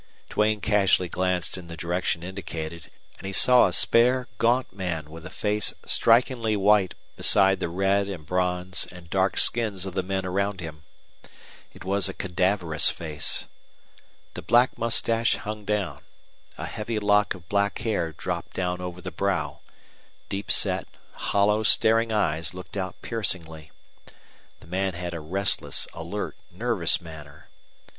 Duane casually glanced in the direction indicated, and he saw a spare, gaunt man with a face strikingly white beside the red and bronze and dark skins of the men around him. It was a cadaverous face. The black mustache hung down; a heavy lock of black hair dropped down over the brow; deep set, hollow, staring eyes looked out piercingly. The man had a restless, alert, nervous manner.